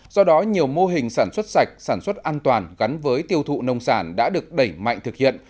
do đó nhiều mô hình sản xuất sạch sản xuất an toàn gắn với tiêu thụ nông sản đã được đẩy mạnh thực hiện